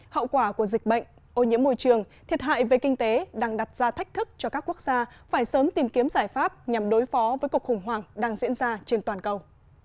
hậu quả của dịch bệnh ô nhiễm môi trường thiệt hại về kinh tế đang đặt ra thách thức cho các quốc gia phải sớm tìm kiếm giải pháp nhằm đối phó với cuộc khủng hoảng đang diễn ra trên toàn cầu